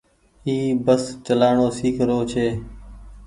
اي بس چلآڻو سيک رو ڇي۔